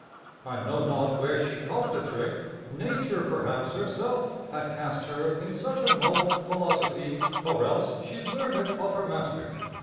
I know not where she caught the trick Nature perhaps herself had cast her In such a mould philosophique, Or else she learn'd it of her master.